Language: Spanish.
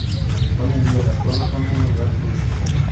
Hoy en día, las cuevas son un lugar turístico.